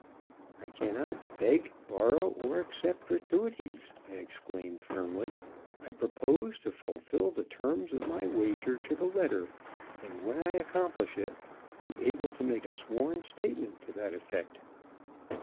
"I cannot beg, borrow, or accept gratuities," I exclaimed, firmly; "I propose to fulfill the terms of my wager to the letter, and when I accomplish it, be able to make a sworn statement to that effect."